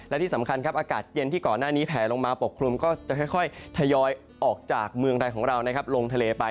และที่สำคัญครับอากาศเย็นที่ก่อนหน้านี้แผลลงมาปกคลุมก็จะค่อยทยอยออกจากเมืองใดของเราลงทะเลไป